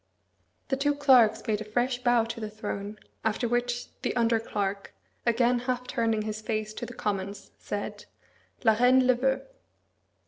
The two clerks made a fresh bow to the throne, after which the under clerk, again half turning his face to the Commons, said, "La Reine le veut."